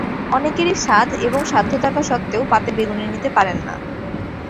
অনেকেরই সাধ এবং সাধ্য থাকা সত্ত্বেও পাতে বেগুনি নিতে পারেন না।